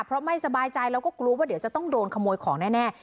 เพราะไม่สบายใจแล้วก็กลัวว่าเดี๋ยวจะต้องโดนขโมยของแน่